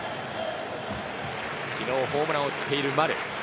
昨日ホームランを打っている丸。